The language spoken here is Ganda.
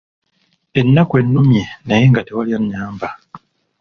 Ennaku ennumye naye nga tewali annyamba.